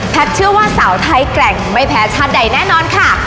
เชื่อว่าสาวไทยแกร่งไม่แพ้ชาติใดแน่นอนค่ะ